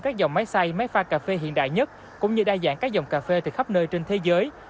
các dòng máy xay máy pha cà phê hiện đại nhất cũng như đa dạng các dòng cà phê từ khắp nơi trên thế giới